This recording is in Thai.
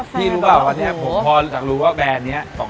มีขนมไทยแล้วขัดม้านี้ก็เป็น